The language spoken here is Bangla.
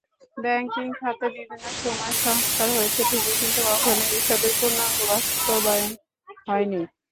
ব্যাংকিং খাতে বিভিন্ন সময় সংস্কার হয়েছে ঠিকই, কিন্তু কখনোই এসবের পূর্ণাঙ্গ বাস্তবায়ন হয়নি।